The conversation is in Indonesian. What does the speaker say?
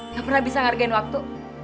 gak pernah bisa ngargain waktu